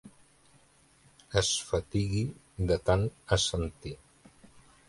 Es fatigui de tant assentir.